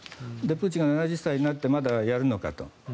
プーチン大統領が７０歳になってまだやるのかと。